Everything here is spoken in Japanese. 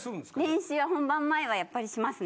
練習は本番前はやっぱりしますね。